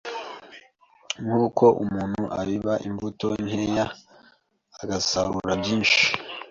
nk’uko umuntu abiba imbuto nkeya agasarura byinshi.